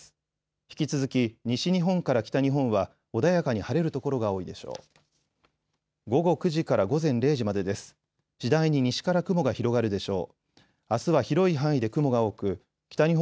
引き続き西日本から北日本は穏やかに晴れる所が多いでしょう。